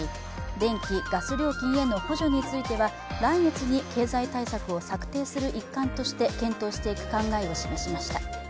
電気・ガス料金への補助については来月に経済対策を策定する一環として検討していく考えを示しました。